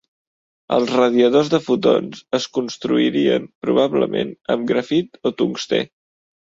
Els radiadors de fotons es construirien probablement amb grafit o tungstè.